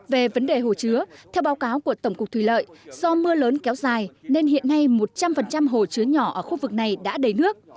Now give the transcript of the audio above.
về vấn đề hồ chứa theo báo cáo của tổng cục thủy lợi do mưa lớn kéo dài nên hiện nay một trăm linh hồ chứa nhỏ ở khu vực này đã đầy nước